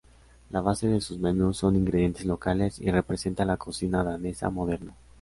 La base de sus menús son ingredientes locales y representa la cocina danesa moderna.